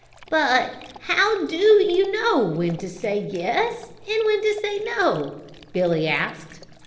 "But how do you know when to say 'yes' and when to say 'no'?" Billy asked.